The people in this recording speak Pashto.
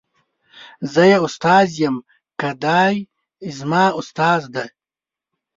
زه یې استاد یم که دای زما استاد دی.